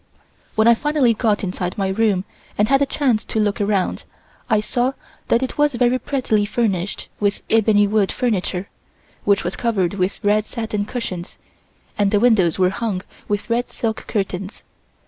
When I finally got inside my room and had a chance to look around, I saw that it was very prettily furnished with ebonywood furniture, which was covered with red satin cushions and the windows were hung with red silk curtains.